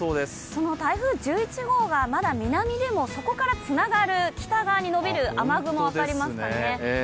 その台風１１号はまだ南でもそこからつながる北側に延びる雨雲、分かりますかね